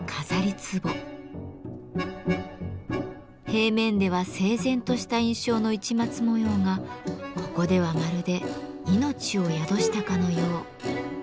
平面では整然とした印象の市松模様がここではまるで命を宿したかのよう。